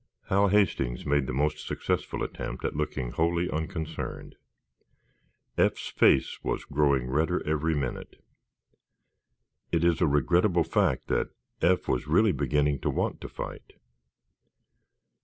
Hal Hastings made the most successful attempt at looking wholly unconcerned. Eph's face was growing redder every minute. It is a regrettable fact that Eph was really beginning to want to fight.